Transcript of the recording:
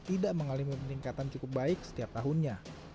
tidak mengalami peningkatan cukup baik setiap tahunnya